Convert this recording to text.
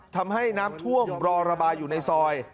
ทำให้น้ำท่วมรอระบายอยู่ในซอย